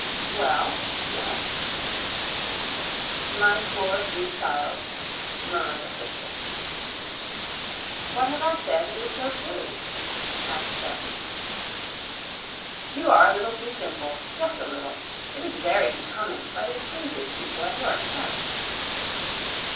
"Well, yes." "My poor, sweet child," murmured her sister. "What have I said that is so silly?" asked Bessie. "You are a little too simple; just a little. It is very becoming, but it pleases people at your expense."